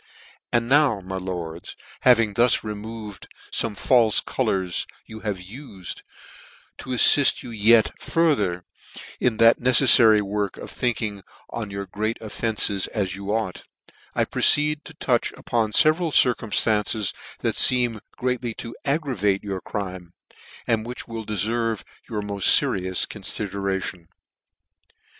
" And now, my lords, having thus removed fome falfe colours you have ufed j to affift you yet farther in that neceflary work of thinking on your great offence as you ought, I proceed to touch upon feveral circmnilances that feem greatly to aggravate your crime, and which will deferve your molt fcrious conficieration.